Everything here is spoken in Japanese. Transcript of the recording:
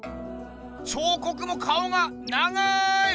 彫刻も顔が長い！